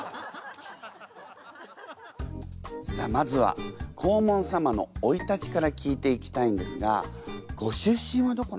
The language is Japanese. さあまずは黄門様のおいたちから聞いていきたいんですがご出身はどこなんですか？